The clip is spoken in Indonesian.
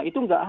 itu nggak ada